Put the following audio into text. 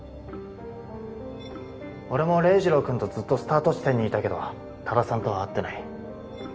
俺も黎士郎君とずっとスタート地点にいたけど多田さんとは会ってない。